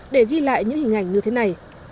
để ghi lại những hình ảnh như thế này